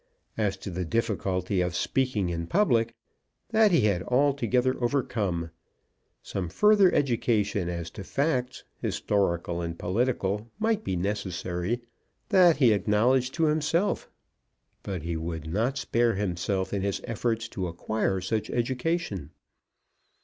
As to the difficulty of speaking in public, that he had altogether overcome. Some further education as to facts, historical and political, might be necessary. That he acknowledged to himself; but he would not spare himself in his efforts to acquire such education.